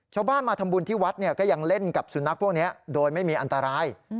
ชาวบ้านมาทำบุญที่วัดก็ยังเล่นกับสุนัขพวกนี้โดยไม่มีอันตราย